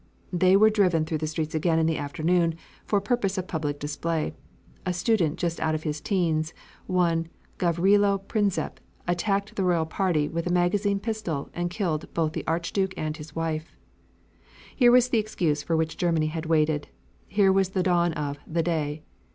They were driven through the streets again in the afternoon, for purpose of public display. A student, just out of his 'teens, one Gavrilo Prinzep, attacked the royal party with a magazine pistol and killed both the Archduke and his wife. Here was the excuse for which Germany had waited. Here was the dawn of "The Day."